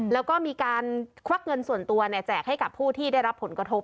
แล้วก็มีการควักเงินส่วนตัวแจกให้กับผู้ที่ได้รับผลกระทบ